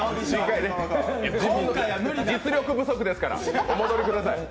実力不足ですからお戻りください。